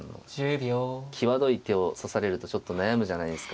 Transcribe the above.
際どい手を指されるとちょっと悩むじゃないですか。